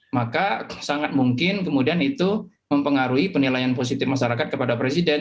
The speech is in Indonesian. maka sangat mungkin kemudian itu mempengaruhi penilaian positif masyarakat kepada presiden